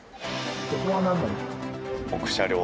ここはなんなんですか？